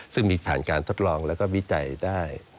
ซึ่งมีผ่านการทดลองแล้วก็วิจัยได้